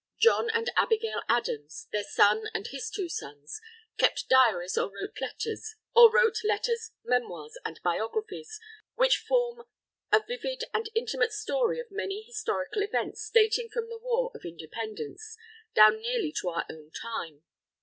John and Abigail Adams, their son and his two sons, kept diaries or wrote letters, memoirs, and biographies, which form a vivid and intimate story of many historical events dating from the War for Independence down nearly to our own time.